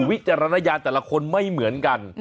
วิจารณญาณแต่ละคนไม่เหมือนกัน